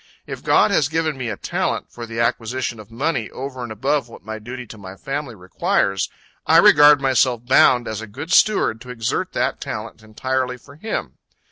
If God has given me a talent for the acquisition of money over and above what my duty to my family requires, I regard myself bound as a good steward to exert that talent entirely for Him.